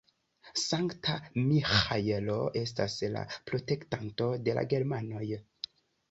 Sankta Miĥaelo estas la protektanto de la germanoj.